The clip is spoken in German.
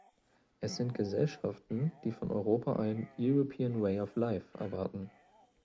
Es sind Gesellschaften, die von Europa einen "European way of life" erwarten.